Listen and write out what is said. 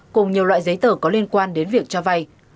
cùng nhiều loại giấy tờ có liên quan đến việc cho vay